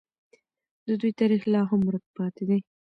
د دوی تاریخ لا هم ورک پاتې دی.